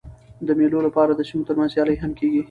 د مېلو له پاره د سیمو تر منځ سیالۍ هم کېږي.